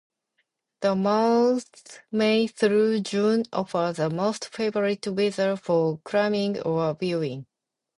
The months May through June offer the most favorable weather for climbing or viewing.